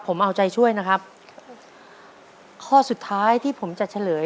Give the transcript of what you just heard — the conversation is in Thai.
ผมเอาใจช่วยนะครับข้อสุดท้ายที่ผมจะเฉลย